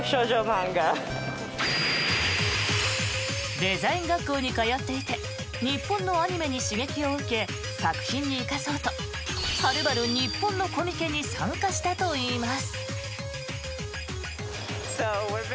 デザイン学校に通っていて日本のアニメに刺激を受け作品に生かそうとはるばる日本のコミケに参加したといいます。